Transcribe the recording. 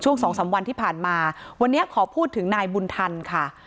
สองสามวันที่ผ่านมาวันนี้ขอพูดถึงนายบุญทันค่ะ